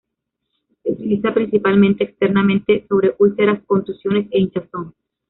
Se utiliza principalmente externamente sobre úlceras, contusiones e hinchazón.